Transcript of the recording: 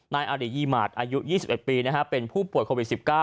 นายอาริยีหมาตรอายุ๒๑ปีเป็นผู้ป่วยโควิด๑๙